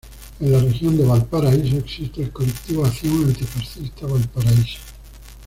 En la región de Valparaíso existe el Colectivo Acción Anti-Fascista Valparaíso.